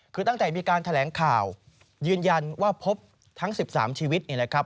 คือตั้งแต่มีการแถลงข่าวยืนยันว่าพบทั้ง๑๓ชีวิตเนี่ยนะครับ